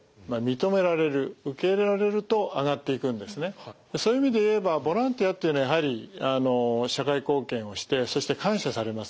あのこのそういう意味で言えばボランティアというのはやはり社会貢献をしてそして感謝されますね。